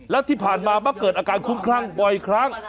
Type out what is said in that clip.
และที่ผ่านมามักเกิดอาการคุ้มคลั่งบ่อยครั้ง